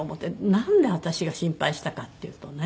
なんで私が心配したかっていうとね